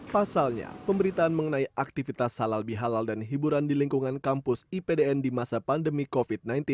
pasalnya pemberitaan mengenai aktivitas halal bihalal dan hiburan di lingkungan kampus ipdn di masa pandemi covid sembilan belas